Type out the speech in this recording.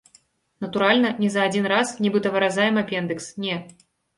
Натуральна, не за адзін раз, нібыта выразаем апендыкс, не!